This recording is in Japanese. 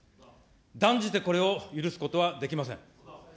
断じてこれを許すことはできません。